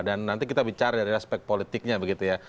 dan nanti kita bicara dari spek politiknya begitu ya